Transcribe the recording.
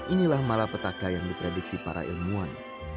inilah malapetaka yang diprediksi para ilmuwan